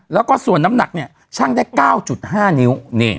แล้วก็ส่วนน้ำหนักเนี่ยช่างได้๙๕นิ้ว